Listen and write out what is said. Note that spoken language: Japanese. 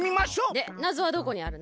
でなぞはどこにあるの？